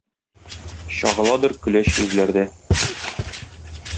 Чагыладыр көләч йөзләрдә.